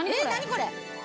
これ。